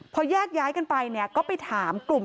พอแยกกันไปก็ไปถาม